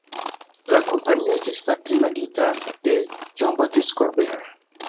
La kompanio estis fakte imagita de Jean-Baptiste Colbert.